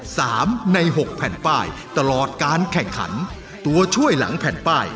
รายการต่อปีนี้เป็นรายการทั่วไปสามารถรับชมได้ทุกวัย